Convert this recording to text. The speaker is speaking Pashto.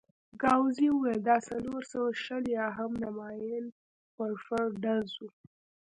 ګاووزي وویل: دا څلور سوه شل یا هم د ماينين ورفر ډز وو.